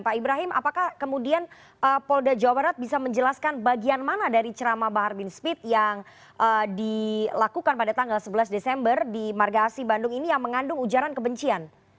pak ibrahim apakah kemudian polda jawa barat bisa menjelaskan bagian mana dari ceramah bahar bin smith yang dilakukan pada tanggal sebelas desember di marga asi bandung ini yang mengandung ujaran kebencian